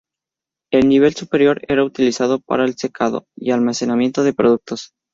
El nivel superior era utilizado para el secado y almacenamiento de productos.